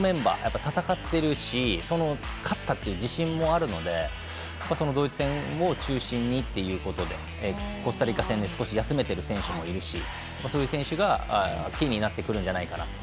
やっぱり戦っているし勝ったという自信もあるのでドイツ戦を中心にということでコスタリカ戦で少し休めている選手もいるしそういう選手がキーになってくるんじゃないかなと。